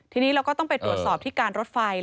ทีนี้เราก็ต้องไปตรวจสอบที่การรถไฟ